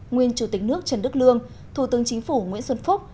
nguyên chủ tịch nước trần đức lương thủ tướng chính phủ nguyễn xuân phúc